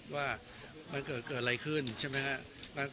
ว่ามันเกิดอะไรขึ้นใช่ไหมครับ